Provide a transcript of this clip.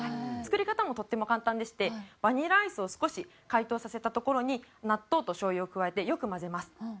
作り方もとっても簡単でしてバニラアイスを少し解凍させたところに納豆と醤油を加えてよく混ぜます。